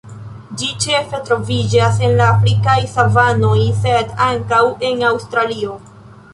Ĝi ĉefe troviĝas en la afrikaj savanoj sed ankaŭ en Aŭstralio.